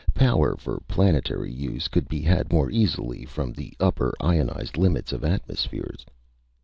Power for planetary use could be had more easily from the upper, ionized limits of atmospheres.